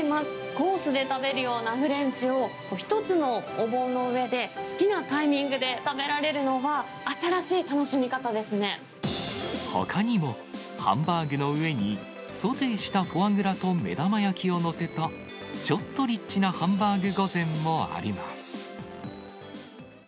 コースで食べるようなフレンチを、一つのお盆の上で好きなタイミングで食べられるのは、ほかにも、ハンバーグの上にソテーしたフォアグラと目玉焼きを載せた、ちょっとリッチなハンバーグ御膳もあります。